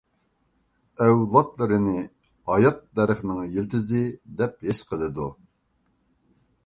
ئەۋلادلىرىنى ھايات دەرىخىنىڭ يىلتىزى دەپ ھېس قىلىدۇ.